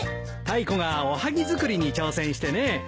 タイコがおはぎ作りに挑戦してね。